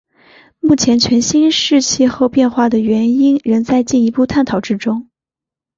目前全新世气候变化的原因仍在进一步探讨之中。